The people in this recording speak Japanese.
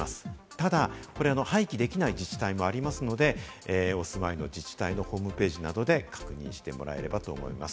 ただ廃棄できない自治体もありますので、お住まいの自治体のホームページなどで確認してもらえればと思います。